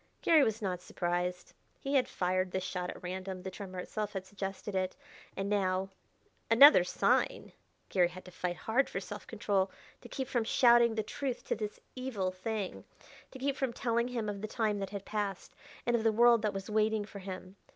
Garry was not surprised. He had fired this shot at random; the tremor itself had suggested it. And now "Another sign!" Garry had to fight hard for self control to keep from shouting the truth to this evil thing to keep from telling him of the time that had passed, and of the world that was waiting for him.